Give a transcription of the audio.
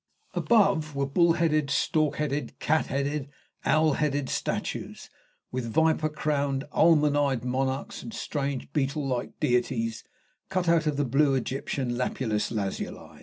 Above were bull headed, stork headed, cat headed, owl headed statues, with viper crowned, almond eyed monarchs, and strange, beetle like deities cut out of the blue Egyptian lapis lazuli.